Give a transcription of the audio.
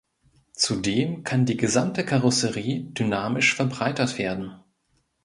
Zudem kann die gesamte Karosserie dynamisch verbreitert werden.